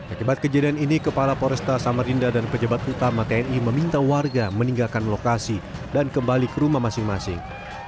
akibat kejadian ini kepala poresta samarinda dan pejabat utama tni meminta warga meninggalkan lokasi dan kembali ke rumah masing masing